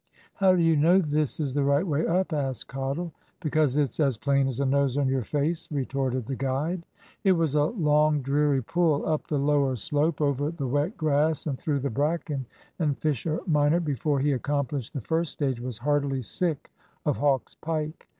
"How do you know this is the right way up?" asked Cottle. "Because it's as plain as the nose on your face," retorted the guide. It was a long dreary pull up the lower slope, over the wet grass and through the bracken, and Fisher minor before he accomplished the first stage was heartily sick of Hawk's Pike.